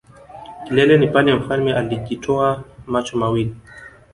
kilele ni pale mfalme alijotoa macho mawili.